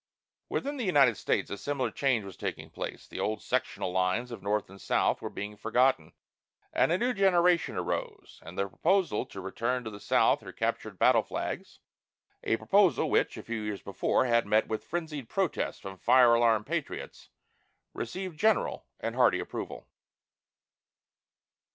Within the United States a similar change was taking place. The old sectional lines of North and South were being forgotten, as a new generation arose, and the proposal to return to the South her captured battle flags a proposal which, a few years before, had met with frenzied protest from fire alarm patriots received general and hearty approval.